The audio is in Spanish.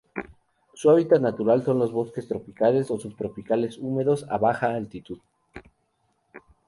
Su hábitat natural son los bosques tropicales o subtropicales húmedos a baja altitud.